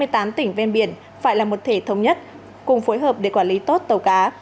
hai mươi tám tỉnh ven biển phải là một thể thống nhất cùng phối hợp để quản lý tốt tàu cá